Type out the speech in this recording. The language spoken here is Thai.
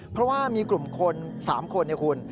เพราะว่ามีกลุ่มคน๓คนเนี่ยคุณ